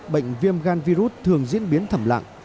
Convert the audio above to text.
bệnh viêm gan virus thường diễn biến thầm lặng